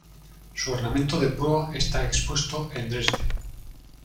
Su ornamento de proa está expuesto en Dresden.